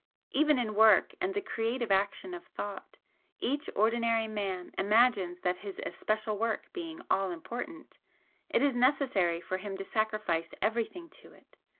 Even in work and the creative action of thought each ordinary man imagines that his especial work being all important, it is necessary for him to sacrifice everything to it.